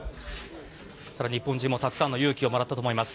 ただ、日本人もたくさんの勇気をもらったと思います。